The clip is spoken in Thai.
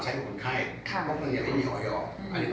เช่นยังไงบางอย่างอีก